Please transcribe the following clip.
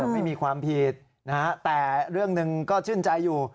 ไม่มีความผิดนะฮะแต่เรื่องหนึ่งก็ชื่นใจอยู่